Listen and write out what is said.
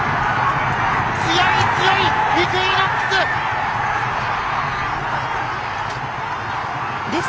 強い、強い、イクイノックス。